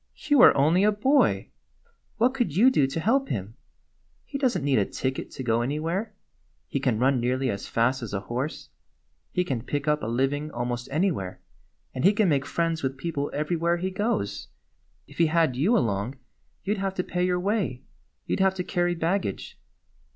" You are only a boy. What could you do to help him? He does n't need a ticket to go any where; he can run nearly as fast as a horse ; he can pick up a living almost anywhere, and he can make friends with people everywhere he 103 GYPSY, THE TALKING DOG goes. If lie had you along, you 'd have to pay your way ; you 'd have to carry baggage.